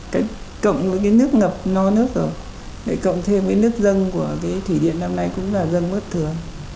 cái cộng với cái nước ngập no nước rồi cộng thêm với nước dân của thủy điện năm nay cũng là dân mất thường